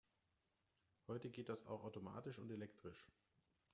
Heute geht auch das automatisch und elektrisch.